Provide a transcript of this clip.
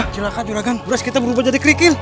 silahkan juragan beras kita berubah jadi krikil